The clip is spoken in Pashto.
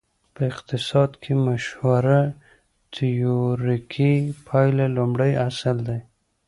په اقتصاد کې مشهوره تیوریکي پایله لومړی اصل دی.